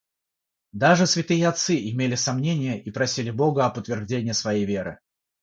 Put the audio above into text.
Даже святые отцы имели сомнения и просили Бога об утверждении своей веры.